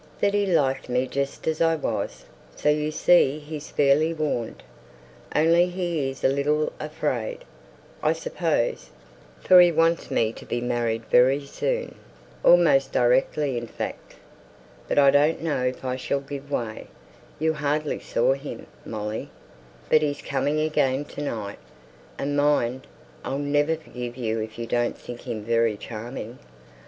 "That he liked me just as I was; so you see he's fairly warned. Only he's a little afraid, I suppose, for he wants me to be married very soon, almost directly, in fact. But I don't know if I shall give way, you hardly saw him, Molly, but he's coming again to night, and mind, I'll never forgive you if you don't think him very charming.